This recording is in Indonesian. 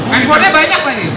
handphonenya banyak lagi